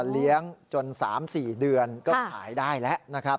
เลี้ยงจน๓๔เดือนก็ขายได้แล้วนะครับ